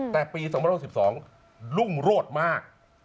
แต่ปี๒๐๖๒รุ่งโรดมาก